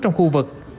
trong khu vực